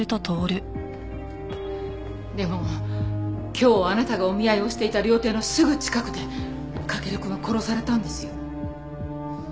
でも今日あなたがお見合いをしていた料亭のすぐ近くで駆くんは殺されたんですよ。